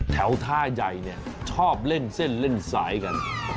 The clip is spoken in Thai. แถวท่ายัยชอบเล่นเส้นเล่นสายกัน